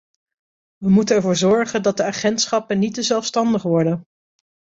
We moeten ervoor zorgen dat de agentschappen niet te zelfstandig worden.